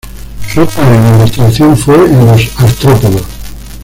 Su otra área de investigación fue en los artrópodos.